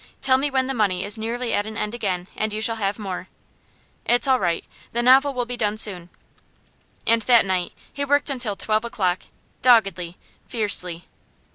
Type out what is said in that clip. Tell me when the money is nearly at an end again, and you shall have more. It's all right; the novel will be done soon.' And that night he worked until twelve o'clock, doggedly, fiercely.